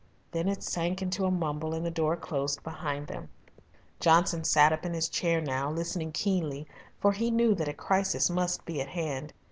Then it sank into a mumble and the door closed behind them. Johnson sat up in his chair now, listening keenly, for he knew that a crisis must be at hand.